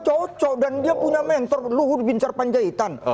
cocok dan dia punya mentor luhut bin sarpanjaitan